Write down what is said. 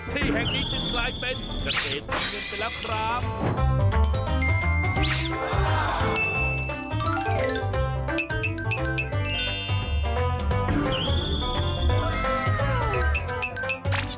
ที่แห่งนี้จึงกลายเป็นเกษตรทำเงินไปแล้วครับ